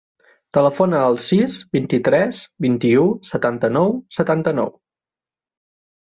Telefona al sis, vint-i-tres, vint-i-u, setanta-nou, setanta-nou.